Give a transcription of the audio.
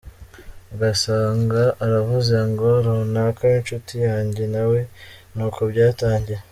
Ugasanga uravuze ngo runaka w’inshuti yanjye nawe ni uku byatangiye.